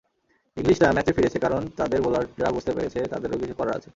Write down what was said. ইংলিশরা ম্যাচে ফিরেছে, কারণ তাদের বোলাররা বুঝতে পেরেছে তাদেরও কিছু করার আছে।